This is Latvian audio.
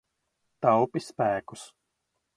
Taupi spēkus.